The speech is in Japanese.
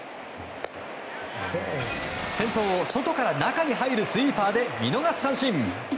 先頭を、外から中に入るスイーパーで見逃し三振。